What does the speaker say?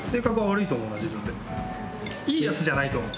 いいやつじゃないと思う。